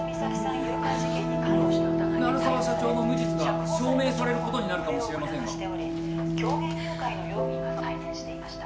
誘拐事件に・鳴沢社長の無実が証明されることになるかもしれませんが狂言誘拐の容疑が再燃していました